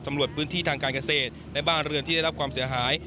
พื้นที่ทางการเกษตรและบ้านเรือนที่ได้รับความเสียหาย